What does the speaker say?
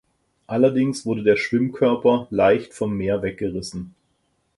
Allerdings wurde der Schwimmkörper leicht vom Meer weggerissen.